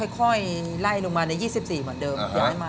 ค่อยไล่ลงมาใน๒๔เหมือนเดิม